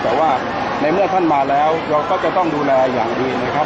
แต่ว่าในเมื่อท่านมาแล้วเราก็จะต้องดูแลอย่างดีนะครับ